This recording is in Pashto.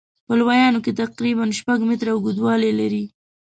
په لویانو کې تقریبا شپږ متره اوږدوالی لري.